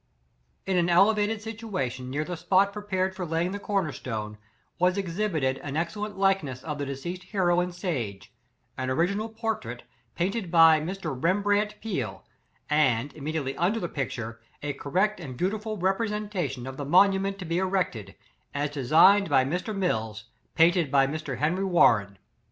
In an elevated situation, near the spot prepared for laying the corner stone, was exhibited an excellent likeness of the de ceased hero and sage; an original portrait, painted by Mr. Rembrandt Pe ale; and, immediately under the picture, a correct and beautiful representation of the monu ment to be erected, as designed by Mr. M^lls, painted by Mr. Henry Warren.